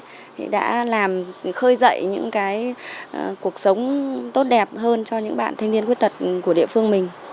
thì đã làm khơi dậy những cái cuộc sống tốt đẹp hơn cho những bạn thanh niên khuyết tật của địa phương mình